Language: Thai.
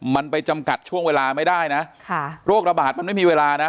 มันไปจำกัดช่วงเวลาไม่ได้นะโรคระบาดมันไม่มีเวลานะ